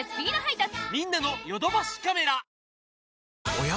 おや？